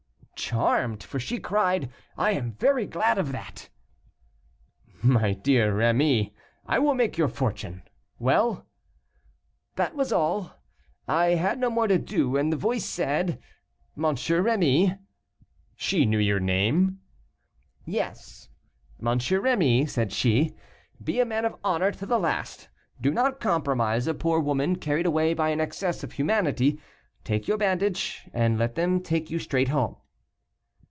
"Charmed; for she cried, 'I am very glad of that.'" "My dear M. Rémy, I will make your fortune. Well?" "That was all; I had no more to do; and the voice said, 'M. Rémy '" "She knew your name?" "Yes; 'M. Rémy,' said she, 'be a man of honor to the last; do not compromise a poor woman carried away by an excess of humanity. Take your bandage, and let them take you straight home.